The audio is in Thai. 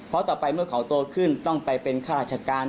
เพราะต่อไปเมื่อเขาโตขึ้นต้องไปเป็นข้าราชการ